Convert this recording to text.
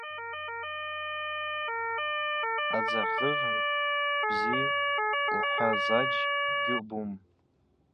Адзахыгӏв бзи лхвазаджь гьубум.